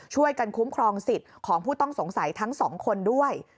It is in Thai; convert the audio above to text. ช่วยกันคุ้มครองสิทธิ์ของผู้ต้องสงสัยทั้งสองคนด้วย